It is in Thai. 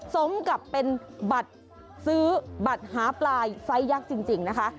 สมกับเป็นบัตรซื้อบัตรหาปลายไซสยักษ์จริงนะคะ